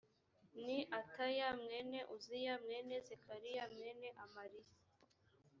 ni ataya mwene uziya mwene zekariya mwene amariya